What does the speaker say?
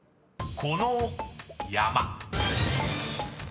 ［この山］